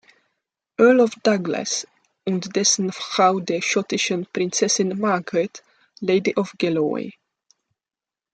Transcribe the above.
Earl of Douglas und dessen Frau der schottischen Prinzessin Margaret, Lady of Galloway.